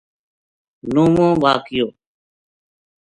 نُووو واقعو